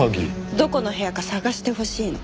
どこの部屋か探してほしいの。